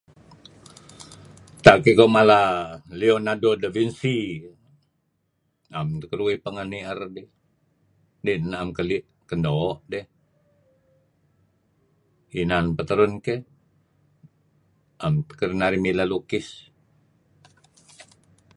Tak iko mala Leonardo Da Vinci am keduih pengeh ni'er dih. Kadi' a'em keli' kan doo' dih. Inan peh terun keh am teh kedinarih mileh lukis.